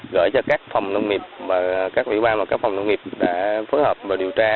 gửi cho các phòng nông nghiệp và các ủy ban và các phòng nông nghiệp đã phối hợp và điều tra